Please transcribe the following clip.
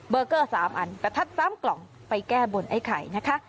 เกอร์๓อันประทัด๓กล่องไปแก้บนไอ้ไข่นะคะ